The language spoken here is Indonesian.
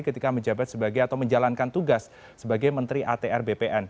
ketika menjabat sebagai atau menjalankan tugas sebagai menteri atr bpn